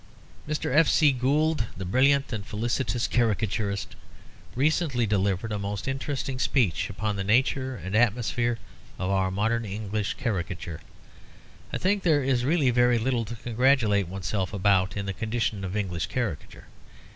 Mr. F. C. Gould, the brilliant and felicitous caricaturist, recently delivered a most interesting speech upon the nature and atmosphere of our modern English caricature. I think there is really very little to congratulate oneself about in the condition of English caricature.